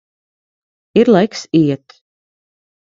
Ir laiks iet.